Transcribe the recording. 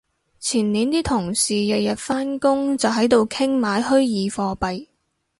前年啲同事日日返工就喺度傾買虛擬貨幣